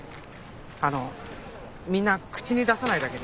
あのみんな口に出さないだけで。